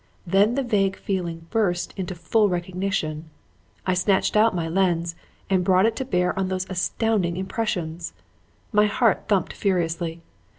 Then the vague feeling burst into full recognition. I snatched out my lens and brought it to bear on those astounding impressions. My heart thumped furiously.